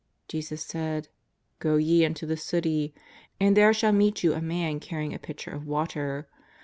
Jesus said :" Go ye into the city, and there shall meet you a man carrying a pitcher of water.